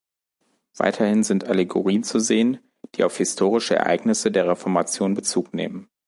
Weiterhin sind Allegorien zu sehen, die auf historische Ereignisse der Reformation Bezug nehmen.